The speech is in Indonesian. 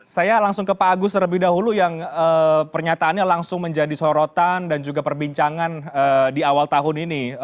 saya langsung ke pak agus terlebih dahulu yang pernyataannya langsung menjadi sorotan dan juga perbincangan di awal tahun ini